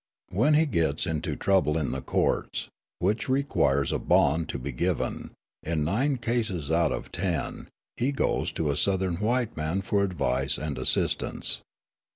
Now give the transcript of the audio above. When he gets into trouble in the courts, which requires a bond to be given, in nine cases out of ten, he goes to a Southern white man for advice and assistance.